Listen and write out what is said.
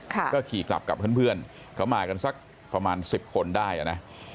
ค่ะก็ขี่กลับกับเพื่อนเพื่อนเขามากันสักประมาณสิบคนได้นะ